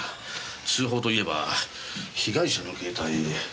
通報といえば被害者の携帯。